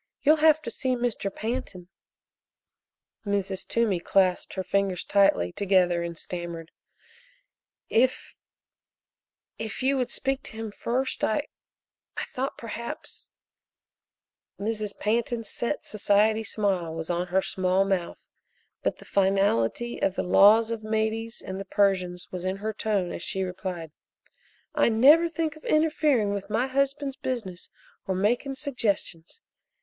You'll have to see Mr. Pantin." Mrs. Toomey clasped her fingers tightly together and stammered: "If if you would speak to him first I I thought perhaps " Mrs. Pantin's set society smile was on her small mouth, but the finality of the laws of the Medes and the Persians was in her tone as she replied: "I never think of interfering with my husband's business or making suggestions.